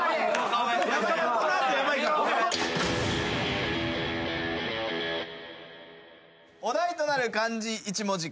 お題となる漢字一文字